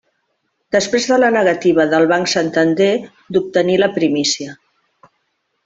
Després de la negativa del Banc Santander d'obtenir la primícia.